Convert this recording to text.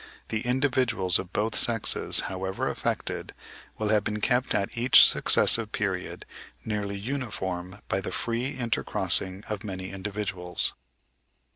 The individuals of both sexes, however affected, will have been kept at each successive period nearly uniform by the free intercrossing of many individuals.